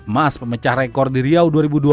mas pemecah rekor di riau dua ribu dua belas